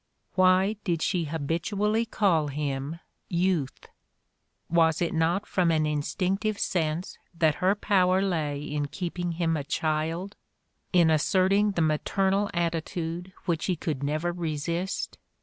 Why did she habitually call him "Youth"? Was it not from an instinctive sense that her power lay in keeping him a child, in asserting the maternal atti tude which he could never resist?